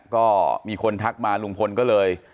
ก็มีคนทักมาลุงพลก็เลย